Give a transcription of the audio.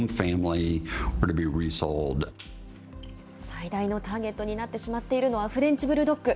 最大のターゲットになってしまっているのはフレンチブルドッグ。